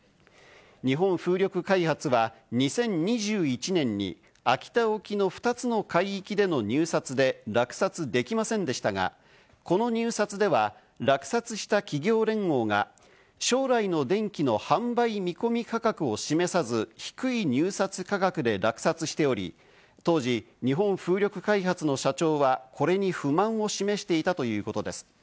日本風力開発は２０２１年に秋田沖の２つの海域での入札で落札できませんでしたが、この入札では落札した企業連合が将来の電気の販売見込み価格を示さず、低い入札価格で落札しており、当時、日本風力開発の社長はこれに不満を示していたということです。